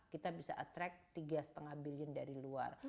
kita bisa attract tiga lima billion dari luar